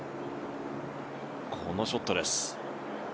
このショットです。